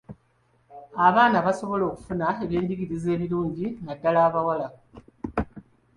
Abaana basobola okufuna ebyenjigiriza ebirungi naddala abawala.